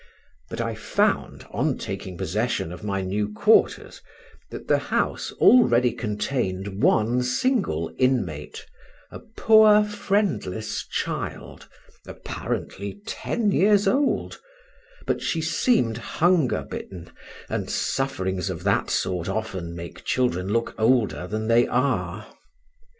But I found, on taking possession of my new quarters, that the house already contained one single inmate, a poor friendless child, apparently ten years old; but she seemed hunger bitten, and sufferings of that sort often make children look older than they are.